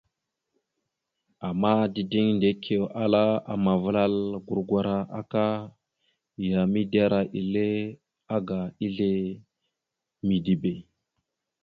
Ama dideŋ Ndekio ala amavəlal gurgwara aka ya midera ile aga izle midibe.